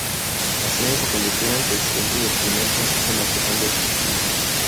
Azaña se convirtió en el presidente del primer Consejo Nacional del partido.